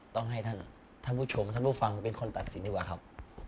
ต้องให้ท่านท่านผู้ชมท่านผู้ฟังเป็นคนตัดสินดีกว่าครับ